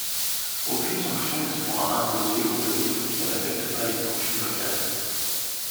Aucune sanction n'est cependant imposée aux touristes qui ne respectent pas les coutumes locales.